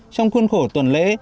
trong khuôn khổ tuần lễ